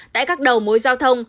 tại các đầu mối giao thông